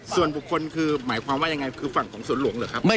ส่วนบุคคลคือหมายความว่าอย่างไร